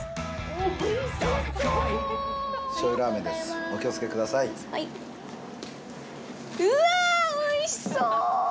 うわぁ、おいしそう！